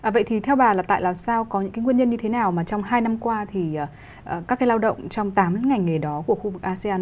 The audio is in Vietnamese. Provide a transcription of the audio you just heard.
vậy thì theo bà là tại làm sao có những cái nguyên nhân như thế nào mà trong hai năm qua thì các cái lao động trong tám ngành nghề đó của khu vực asean